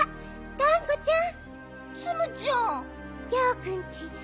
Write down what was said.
がんこちゃん？